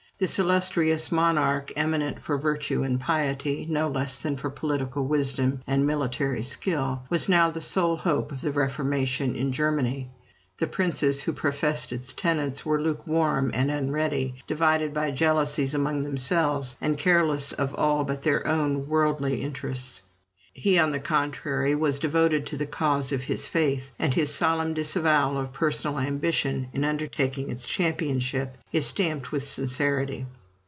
This illustrious monarch, eminent for virtue and piety, no less than for political wisdom and military skill, was now the sole hope of the Reformation in Germany. The princes who professed its tenets were lukewarm and unready, divided by jealousies among themselves, and careless of all but their own worldly interests. He, on the contrary, was devoted to the cause of his faith, and his solemn disavowal of personal ambition in undertaking its championship is stamped with sincerity.